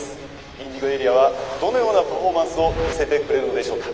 ＩｎｄｉｇｏＡＲＥＡはどのようなパフォーマンスを見せてくれるのでしょうか。